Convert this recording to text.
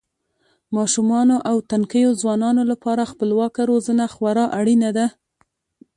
ماشومانو او تنکیو ځوانانو لپاره خپلواکه روزنه خورا اړینه ده.